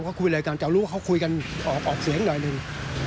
ผมเขาคุยเลยกันแต่รู้เขาคุยกันออกเสียงหน่อยหนึ่ง